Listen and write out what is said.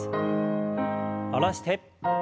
下ろして。